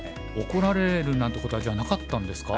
怒られるなんてことはじゃあなかったんですか？